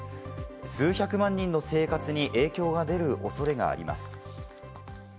数百万人の生活に影響が出る恐れがあります。